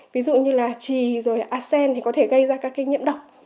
ví dụ như là trì rồi arsen thì có thể gây ra các cái nhiễm độc